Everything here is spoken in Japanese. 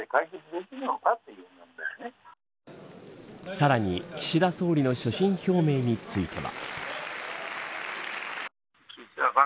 さらに岸田総理の所信表明については。